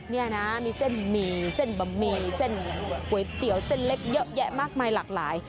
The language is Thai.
นี่นะมีเส้นหมี่เส้นบะหมี่เส้นก๋วยเตี๋ยวเส้นเล็กเยอะแยะมากมายหลากหลาย